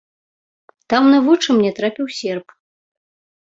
Там на вочы мне трапіў серп.